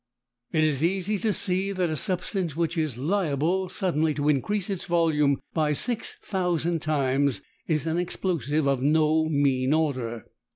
It is easy to see that a substance which is liable suddenly to increase its volume by 6000 times is an explosive of no mean order.